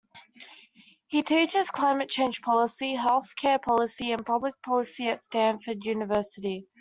He teaches climate change policy, health care policy, and public policy at Stanford University.